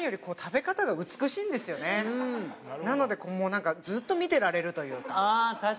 なのでずっと見てられるというか。